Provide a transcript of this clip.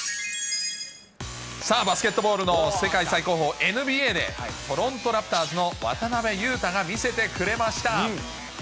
さあバスケットボールの世界最高峰ＮＢＡでトロントラプターズの渡邊雄太が見せてくれました。